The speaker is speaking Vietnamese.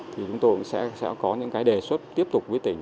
thì chúng tôi sẽ có những đề xuất tiếp tục với tỉnh